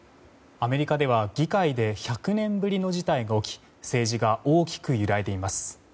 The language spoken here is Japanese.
アメリカでは議会で１００年ぶりの事態が起き政治が大きく揺らいでいます。